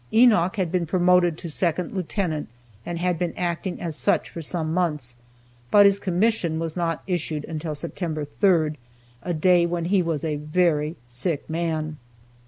Enoch had been promoted to second lieutenant and had been acting as such for some months, but his commission was not issued until September 3rd, a day when he was a very sick man.